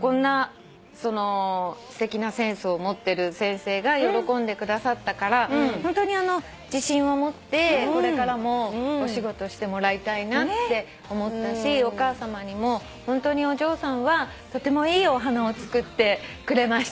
こんなすてきなセンスを持ってる先生が喜んでくださったからホントに自信を持ってこれからもお仕事してもらいたいなって思ったしお母さまにもホントにお嬢さんはとてもいいお花を作ってくれました。